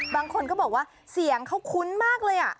บางคนก็บอกว่าเสียงเขาคุ้นมากเลย